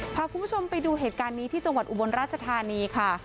พาคุณผู้ชมไปดูเหตุการณ์นี้ที่จังหวัดอุบลราชธานีค่ะ